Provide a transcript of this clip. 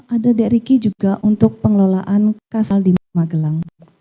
ada drik juga untuk pengelolaan kas operasional di magelang